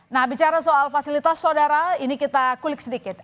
nah bicara soal fasilitas saudara ini kita kulik sedikit